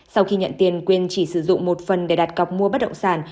sau khi nhận tiền quyên chỉ sử dụng một phần để đặt cọc mua bất động sản